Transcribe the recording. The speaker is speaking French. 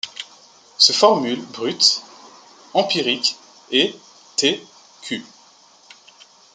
Se formule brute empirique est TeCu.